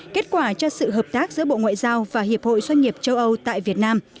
kết quả cho sự hợp tác giữa bộ ngoại giao và hiệp hội doanh nghiệp châu âu tại việt nam